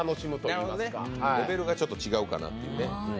なるほど、レベルがちょっと違うかなというね。